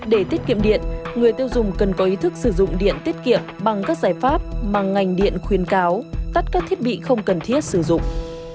để tiết kiệm điện người tiêu dùng cần có ý thức sử dụng điện tiết kiệm bằng các giải pháp mà ngành điện khuyên cáo tắt các thiết bị không cần thiết sử dụng